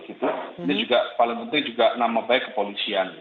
ini juga paling penting juga nama baik kepolisian